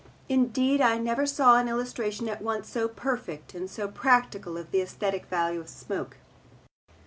Indeed I never saw an illustration at once so perfect and so practical of the aesthetic value of smoke.